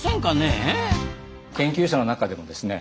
研究者の中でもですね